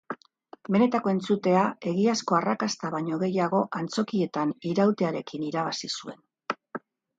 Benetako entzutea, egiazko arrakasta baino gehiago, antzokietan irautearekin irabazi zuen.